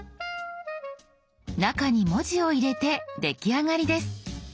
中に文字を入れて出来上がりです。